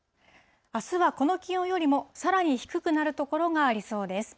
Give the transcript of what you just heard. あすはこの気温よりも、さらに低くなる所がありそうです。